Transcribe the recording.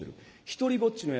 独りぼっちの